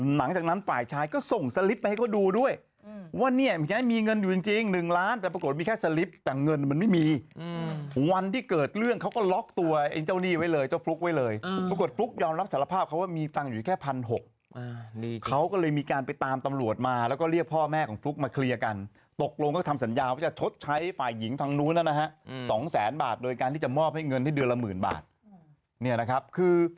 หลังจากนั้นฝ่ายชายก็ส่งสลิปไปให้เขาดูด้วยว่าเนี่ยมีเงินอยู่จริง๑ล้านแต่ปรากฏมีแค่สลิปแต่เงินมันไม่มีวันที่เกิดเรื่องเขาก็ล็อกตัวไอ้เจ้าหนี้ไว้เลยเจ้าฟลุ๊กไว้เลยปรากฏฟลุ๊กยอมรับสารภาพเขาว่ามีตังค์อยู่แค่พันหกเขาก็เลยมีการไปตามตำรวจมาแล้วก็เรียกพ่อแม่ของฟลุ๊กมาเค